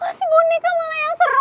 masih boneka malah yang serem